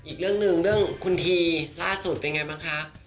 อีกเรื่องหนึ่งเรื่องคุณทีล่าสุดเป็นไงบ้างคะ